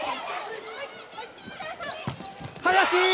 林！